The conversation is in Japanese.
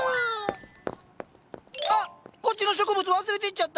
こっちの植物忘れてっちゃった。